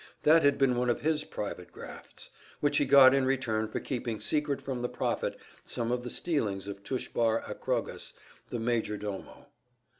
That had been one of his private grafts, which he got in return for keeping secret from the prophet some of the stealings of Tushbar Akrogas, the major domo.